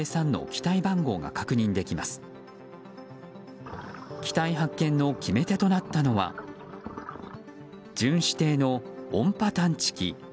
機体発見の決め手となったのは巡視艇の音波探知機。